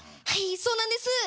はいそうなんです。